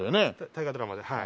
大河ドラマではい。